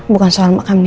bukan soal makan dindi